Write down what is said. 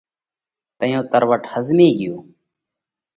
تئيون تروٽ ۿزمي ڳيو۔